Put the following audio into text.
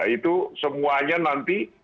itu semuanya nanti